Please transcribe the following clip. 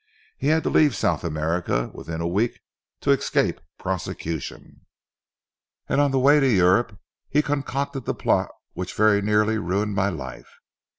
He had to leave South America; within a week to escape prosecution, and on the way to Europe he concocted the plot which very nearly ruined my life.